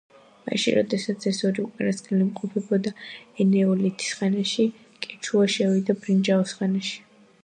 მაშინ, როდესაც ეს ორი უკანასკნელი იმყოფებოდა ენეოლითის ხანაში, კეჩუა შევიდა ბრინჯაოს ხანაში.